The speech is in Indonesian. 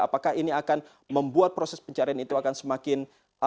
apakah ini akan membuat proses pencarian itu akan semakin